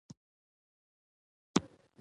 مسلکي ژبه ځان ته مسلکي وییونه لري.